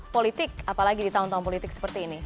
politik apalagi di tahun tahun politik seperti ini